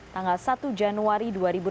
tanggal satu januari dua ribu enam belas